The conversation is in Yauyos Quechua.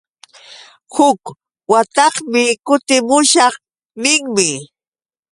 Huk watarqmi kutimushaq ninmi.